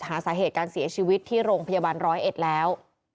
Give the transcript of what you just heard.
หาสาเหตุการเสียชีวิตที่โรงพยาบาลร้อยเอ็ดแล้ว